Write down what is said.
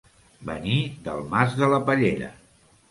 Venir del Mas de la Pallera.